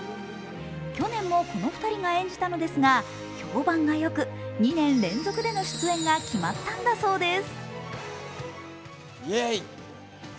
去年もこの２人が演じたのですが、評判がよく２年連続での出演が決まったんだそうです。